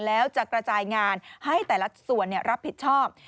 แล้วจะกระจายงานให้แต่ละส่วนรับผิดชอบ